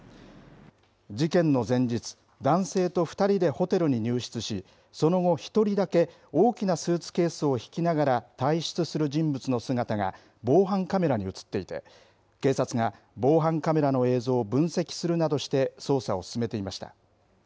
事件の前日、男性と２人でホテルに入室し、その後、１人だけ大きなスーツケースを引きながら、退出する人物の姿が防犯カメラに写っていて、警察が防犯カメラの映像を分析するなどして、捜査を進めていました。